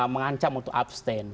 mengancam untuk abstain